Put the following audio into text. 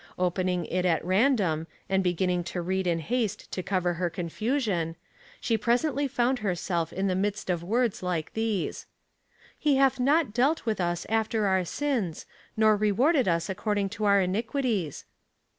Open ing it at random, and beginning to read in haste to cover her confusion, she presently found herself in the midst of words like these: *' He hath not dealt with us after our sins, nor rewarded us according to our iniquities."